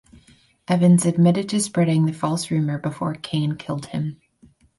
Evans admitted to spreading the false rumor before Cain killed him.